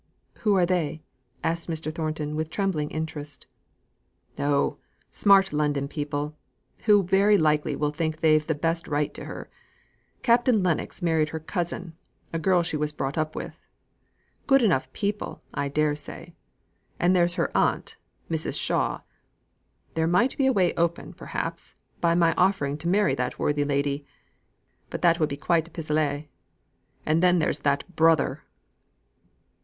"Who are they?" asked Mr. Thornton with trembling interest. "Oh, smart London people, who very likely will think that they've the best right to her. Captain Lennox married her cousin the girl she was brought up with. Good enough people, I dare say. And there's her Aunt, Mrs. Shaw. There might be a way open, perhaps, by my offering to marry that worthy lady! but that would be quite a pis aller. And then there's that brother!"